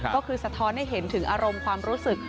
ก็คือสะท้อนให้เห็นถึงอารมณ์ความรู้สึก